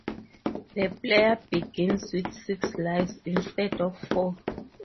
The player begins with six lives instead of four.